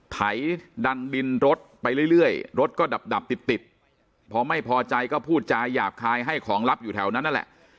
ไถดันดินรถไปเรื่อยรถก็ดับติดติดพอไม่พอใจก็พูดจาหยาบคายให้ของลับอยู่แถวนั้นนั่นแหละ